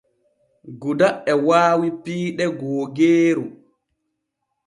Guda e waawi piiɗe googeeru.